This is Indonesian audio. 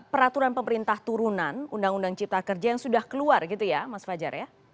peraturan pemerintah turunan undang undang cipta kerja yang sudah keluar gitu ya mas fajar ya